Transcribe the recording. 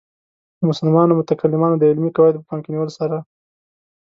د مسلمانو متکلمانو د علمي قواعدو په پام کې نیولو سره.